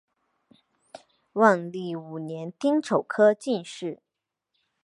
万历五年丁丑科进士。